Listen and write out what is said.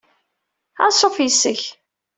Ansuf yis-k.